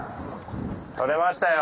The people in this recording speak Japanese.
取れましたよ。